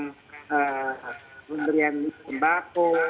pemberian di tembako